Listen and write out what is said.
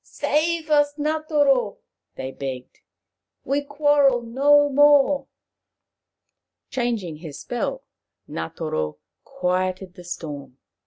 Save us, Ngatoro !" they begged. " We quarrel no more." Changing his spell, Ngatoro quietened the storm.